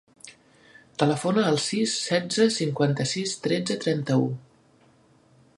Telefona al sis, setze, cinquanta-sis, tretze, trenta-u.